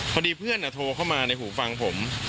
พอดีเพื่อนโทรเข้ามาในหูฟังผม